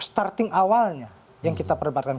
starting awalnya yang kita perdebatkan